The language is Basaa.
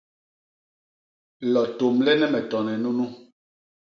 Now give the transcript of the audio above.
Lo tômlene me tone nunu.